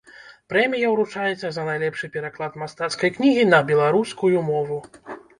Прэмія ўручаецца за найлепшы пераклад мастацкай кнігі на беларускую мову.